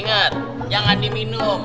ingat jangan diminum